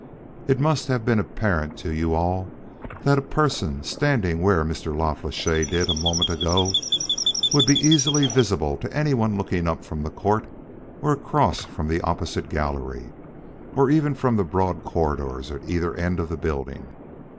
It must have been apparent to you all that a person standing where Mr. La Flèche did a moment ago would be easily visible to anyone looking up from the court or across from the opposite gallery, or even from the broad corridors at either end of the building.